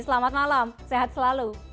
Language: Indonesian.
selamat malam sehat selalu